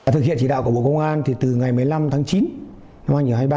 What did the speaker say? thực hiện chỉ đạo của bộ công an từ ngày một mươi năm tháng chín năm hai nghìn hai mươi ba